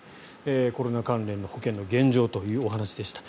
コロナ関連の保険の現状というお話でした。